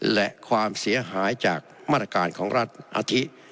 และความเสียหายจากมาตรการของรัฐอาทิ